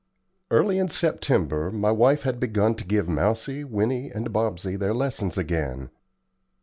Early in September my wife had begun to give Mousie, Winnie, and Bobsey their lessons again.